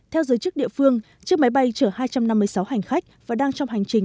theo giới chức địa phương chiếc máy bay chở hai trăm năm mươi sáu hành khách và đang trong hành trình